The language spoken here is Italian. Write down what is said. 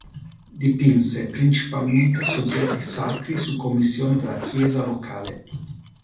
Dipinse principalmente soggetti sacri su commissione della chiesa locale.